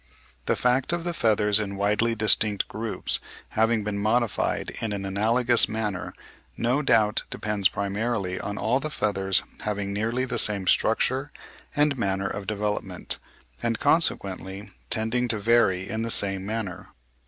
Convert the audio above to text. The fact of the feathers in widely distinct groups having been modified in an analogous manner no doubt depends primarily on all the feathers having nearly the same structure and manner of development, and consequently tending to vary in the same manner.